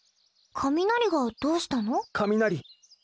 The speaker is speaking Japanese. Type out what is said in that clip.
雷がどうしたの？